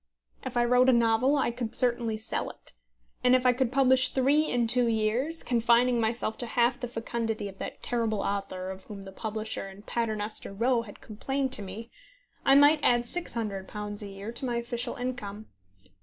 If I wrote a novel, I could certainly sell it. And if I could publish three in two years, confining myself to half the fecundity of that terrible author of whom the publisher in Paternoster Row had complained to me, I might add £600 a year to my official income.